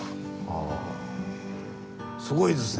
すごいですね。